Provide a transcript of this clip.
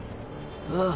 ああ。